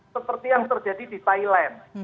seperti yang terjadi di thailand